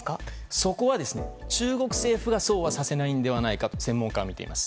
そこは、中国政府がそうはさせないのではないかと専門家はみています。